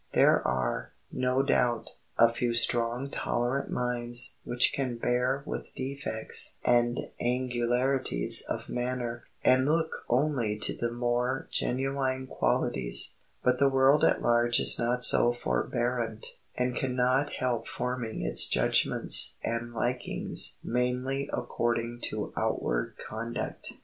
There are, no doubt, a few strong, tolerant minds which can bear with defects and angularities of manner, and look only to the more genuine qualities; but the world at large is not so forbearant, and can not help forming its judgments and likings mainly according to outward conduct.